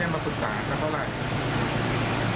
เขาเป็นคนไม่ค่อยพูดอันนี้ครับ